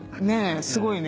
すごいね。